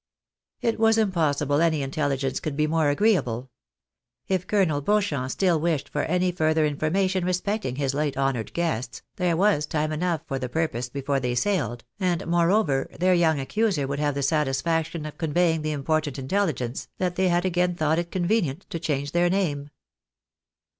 It was impossible any intelligence could be more agreeable. If Colonel Beauchamp still wished for any further information respect ing his late honoured guests, there was time enough for. the purpose before they sailed, and moreover their young accuser would have the satisfaction of conveying the important intelligence, that they had again thought it convenient to change their name.